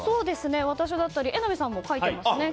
私だったり榎並さんも書いていたり。